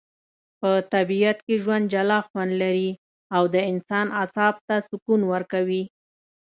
په طبیعت کي ژوند جلا خوندلري.او د انسان اعصاب ته سکون ورکوي